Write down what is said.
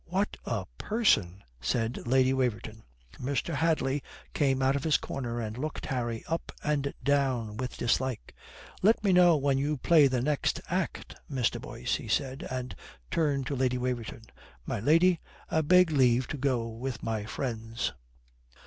"What a person!" said Lady Waverton. Mr. Hadley came out of his corner and looked Harry up and down with dislike. "Let me know when you play the next act, Mr. Boyce," he said, and turned to Lady Waverton. "My lady, I beg leave to go with my friends."